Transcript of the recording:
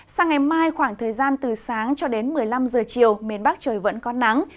sang ngày mai khoảng thời gian từ sáng cho đến một mươi năm giờ chiều miền bắc trời vẫn có nắng